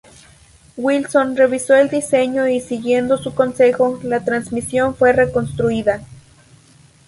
Wilson revisó el diseño y siguiendo su consejo, la transmisión fue reconstruida.